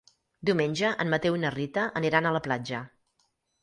Diumenge en Mateu i na Rita aniran a la platja.